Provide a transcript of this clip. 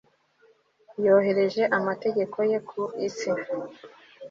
yoherereza amategeko ye ku isi